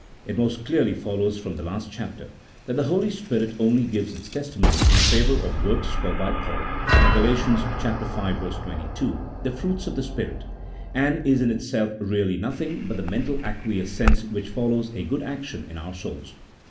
It most clearly follows from the last chapter that the Holy Spirit only gives its testimony in favour of works, called by Paul (in Gal. v. 22) the fruits of the Spirit, and is in itself really nothing but the mental acquiescence which follows a good action in our souls.